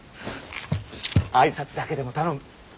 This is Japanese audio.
挨拶だけでも頼む。